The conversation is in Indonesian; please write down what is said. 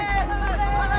malah malah malah